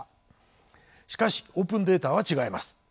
しかしオープンデータは違います。